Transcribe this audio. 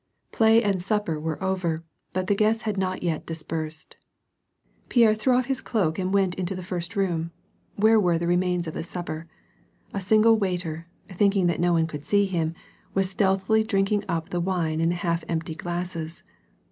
Play and supper were over, but the guests had not yet dis persed. Pierre threw off his cloak and went into the first room, where were the remains of the supper : a single waiter, thinking that no one could see him, was stealthily drinking up the wine in the half empty glasses.